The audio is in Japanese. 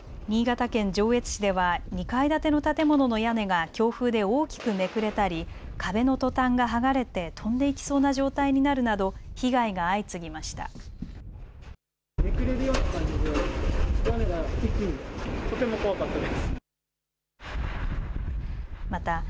新潟県上越市では２階建ての建物の屋根が強風で大きくめくれたり壁のトタンが剥がれて飛んでいきそうな状態になるなど被害が相次ぎました。